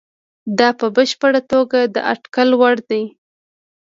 دا په بشپړه توګه د اټکل وړ دي.